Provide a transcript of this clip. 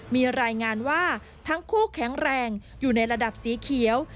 มีรายงานว่าทั้งคู่แข็งแรงอยู่ในระดับสีเขียว